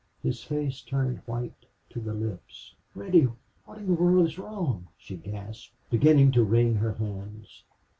His face turned white to the lips. "Reddy, what in the world is wrong?" she gasped, beginning to wring her hands.